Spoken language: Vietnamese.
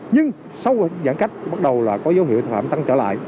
nhưng sau giãn cách bắt đầu là có dấu hiệu tội phạm tăng trở lại